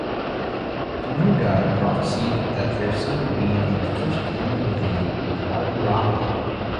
The moon god prophesied that their son would be the first king of Khajuraho.